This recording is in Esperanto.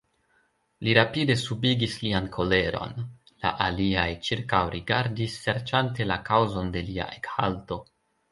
Li rapide subigis lian koleron, la aliaj ĉirkaŭrigardis serĉante la kaŭzon de lia ekhalto.